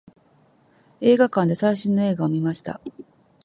映画館で最新の映画を見ました。